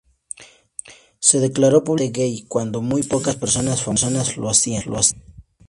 Se declaró públicamente "gay" cuando muy pocas personas famosas lo hacían.